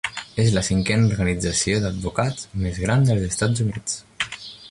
És la cinquena organització d'advocats més gran dels Estats Units.